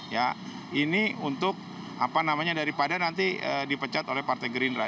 ya ini untuk apa namanya daripada nanti dipecat oleh partai gerindra